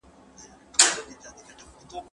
له اسمان څخه هېر سوی عدالت دی